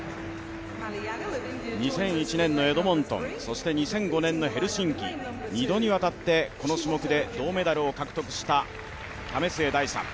２００１年のエドモントン、２００５年のヘルシンキ、２度に渡ってこの種目で銅メダルを獲得した為末大さん。